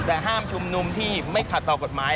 แต่ห้ามชุมนุมที่ไม่ขัดต่อกฎหมาย